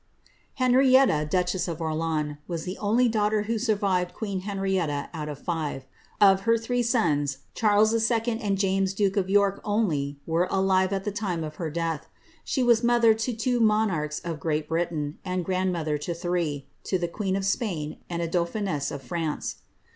Henrietta, duchess of Orleans, was the only daughter who surriTed queen Henrietta out of ^re. Of her three sons, Charles II. and James duke of York only were alive at the time of her death. She was mo ther to two monarchs of Great Britain, and grandmother to three, to a queen of Spain, and a dauphiness of France.